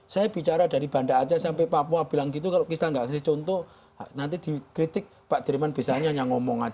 saya bicara dari banda aceh sampai papua bilang gitu kalau kita nggak kasih contoh nanti dikritik pak diriman biasanya hanya ngomong aja